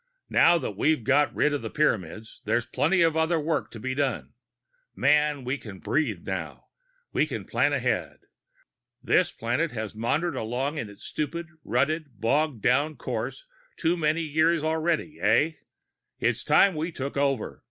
"Now that we've got rid of the Pyramids, there's plenty of other work to be done. Man, we can breathe now! We can plan ahead! This planet has maundered along in its stupid, rutted, bogged down course too many years already, eh? It's time we took over!